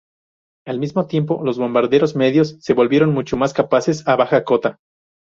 Al mismo tiempo, los bombarderos medios se volvieron mucho más capaces a baja cota.